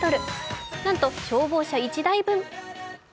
なんと消防車１台分。